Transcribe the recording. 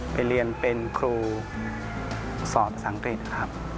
ไปเรียนเป็นครูสอนภาษาอังกฤษครับ